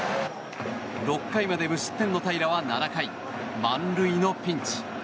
６回まで無失点の平良は７回満塁のピンチ。